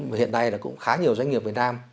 mà hiện nay là cũng khá nhiều doanh nghiệp việt nam